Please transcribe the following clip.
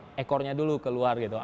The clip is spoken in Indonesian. ya jadi apa ekornya dulu keluar gitu